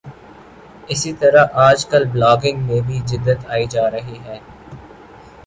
اسی طرح آج کل بلاگنگ میں بھی جدت آتی جا رہی ہے